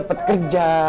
papa dapet kerja